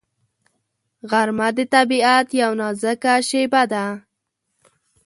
غرمه د طبیعت یو نازک شېبه ده